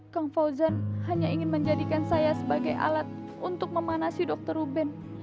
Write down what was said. kang fauzan hanya ingin menjadikan saya sebagai alat untuk memanasi dr ruben